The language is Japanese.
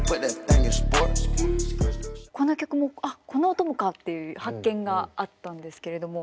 この曲もああこの音もかっていう発見があったんですけれども。